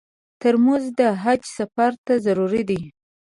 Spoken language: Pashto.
ترموز د حج سفر ته ضرور دی.